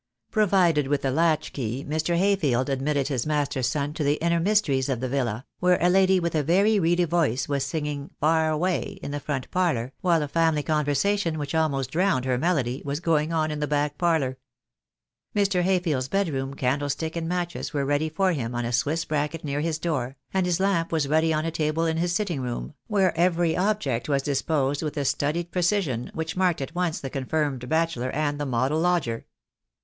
Provided with a latch key, Mr. Hayfield admitted his master's son to the inner mysteries of the villa, where a lady with a very reedy voice was singing "Far away," in the front parlour, while a family conversation which almost drowned her melody was going on in the back parlour. Mr. Hayfield' s bedroom candlestick and matches were ready for him on a Swiss bracket near his door, and his lamp was ready on a table in his sitting room, where every object was disposed with a studied precision THE DAY WILL COME. 325 which marked at once the confirmed bachelor and the model lodger.